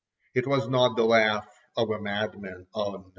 It was not the laugh of a madman; oh, no!